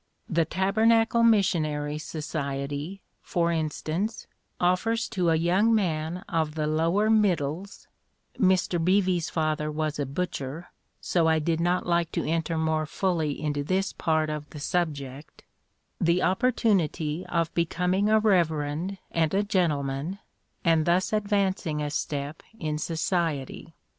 The Tabernacle Missionary Society, for instance, offers to a young man of the lower middles" (Mr Beevy's father was a butcher, so I did not like to enter more fully into this part of the subject) "the opportunity of becoming a reverend and a gentleman, and thus advancing a step in society.